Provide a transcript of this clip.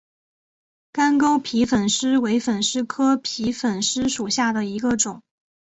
干沟皮粉虱为粉虱科皮粉虱属下的一个种。